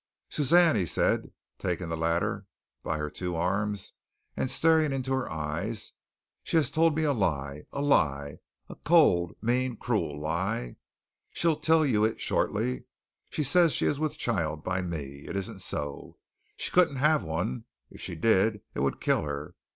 "Suzanne," he said, taking the latter by her two arms and staring into her eyes, "she has told me a lie, a lie, a cold, mean, cruel lie. She'll tell it you shortly. She says she is with child by me. It isn't so. She couldn't have one. If she did, it would kill her.